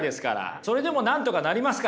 それでもなんとかなりますから。